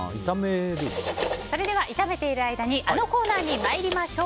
それでは炒めている間にあのコーナーにまいりましょう。